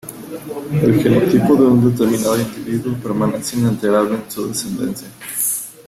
El genotipo de un determinado individuo permanece inalterable en su descendencia.